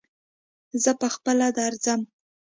زه په خپله درځم